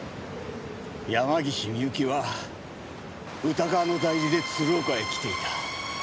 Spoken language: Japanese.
山岸ミユキは宇田川の代理で鶴岡へ来ていた。